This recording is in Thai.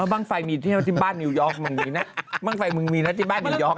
บ้างไฟมีเที่ยวที่บ้านนิวยอร์กมึงมีนะบ้างไฟมึงมีนะที่บ้านนิวยอร์ก